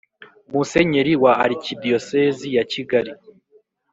Musenyeri wa Arikidiyosezi ya Kigali